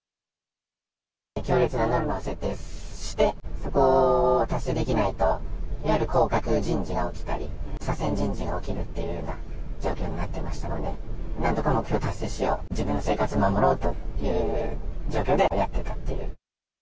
強烈なノルマを設定して、それを達成できないと、やはり降格人事が起きたり、左遷人事が起きるというような状況になってましたので、なんとか目標を達成しよう、自分の生活守ろうという状況でやってたっていう。